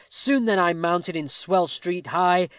Soon then I mounted in swell street high.